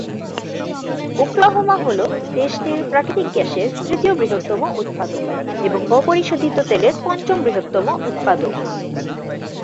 Oklahoma হল দেশটির প্রাকৃতিক গ্যাসের তৃতীয় বৃহত্তম উৎপাদক এবং অপরিশোধিত তেলের পঞ্চম বৃহত্তম উৎপাদক।